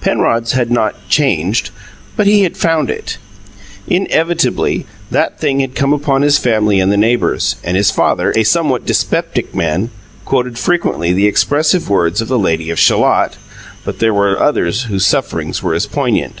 Penrod's had not "changed," but he had found it. Inevitably that thing had come upon his family and the neighbours; and his father, a somewhat dyspeptic man, quoted frequently the expressive words of the "Lady of Shalott," but there were others whose sufferings were as poignant.